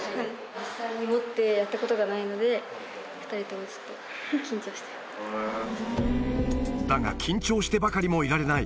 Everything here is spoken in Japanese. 実際に持ってやったことがないので、２人ともちょっと、だが、緊張してばかりもいられない。